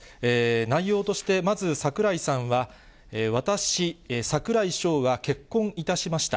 内容として、まず、櫻井さんは、私、櫻井翔は結婚いたしました。